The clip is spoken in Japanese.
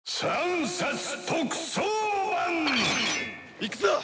いくぞ！